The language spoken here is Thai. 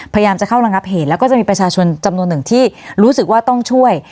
พยายามจะเข้าระงับเหตุแล้วก็จะมีประชาชนจำนวนหนึ่งที่รู้สึกว่าต้องช่วย